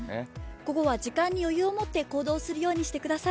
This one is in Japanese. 午後は時間に余裕を持って行動するようにしてください。